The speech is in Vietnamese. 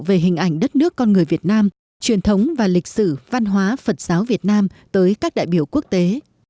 về hình ảnh đất nước con người việt nam truyền thống và lịch sử văn hóa phật giáo việt nam tới các đại biểu quốc tế